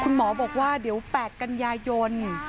หมอบอกว่าเดี๋ยว๘กันยายน